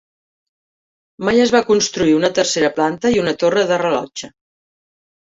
Mai es va construir una tercera planta i una torre de rellotge.